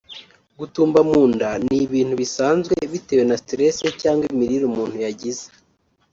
Gutumba mu nda ni ibintu bisanzwe bitewe na stress cyangwa imirire umuntu yagize